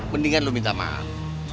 mendingan lo minta maaf